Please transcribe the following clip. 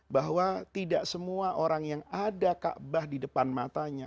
bahwa tidak semua orang yang ada ka'bah di depan matanya